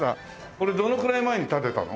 これどのくらい前に建てたの？